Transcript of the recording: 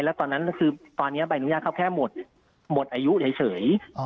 แล้วตอนนั้นคือตอนนี้ใบอนุญาตเขาแค่หมดอายุเฉย